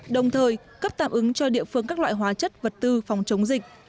đồng thời cấp tạm ứng cho địa phương các loại hóa chất vật tư phòng chống dịch